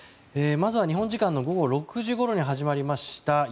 まずは日本時間の午後６時ごろに始まりました